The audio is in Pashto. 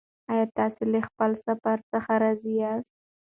ایا تاسې له خپل سفر څخه راضي یاست؟